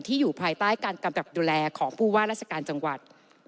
อยู่ภายใต้การกำกับดูแลของผู้ว่าราชการจังหวัด